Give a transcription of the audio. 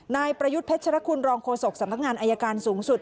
นายประยุทธ์เพชรคุณรองโฆษกสำนักงานอายการสูงสุด